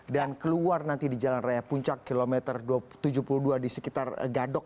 dan keluar nanti di jalan raya puncak kilometer tujuh puluh dua di sekitar gadok